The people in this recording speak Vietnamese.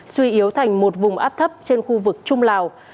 suy yếu thành một vùng áp thấp trên khu vực trung lào